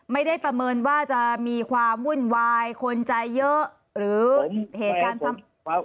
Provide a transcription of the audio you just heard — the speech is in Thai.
ไม่ได้ประเมินว่าจะมีความวุ่นวายคนใจเยอะหรือเหตุการณ์ซ้ำ